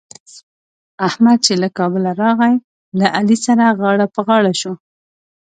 احمد چې له کابله راغی؛ له علي سره غاړه په غاړه شو.